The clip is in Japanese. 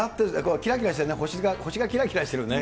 きらきらして、星がきらきらしてるね。